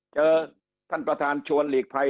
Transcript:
เจอท่านประธานชวนหลีกภัย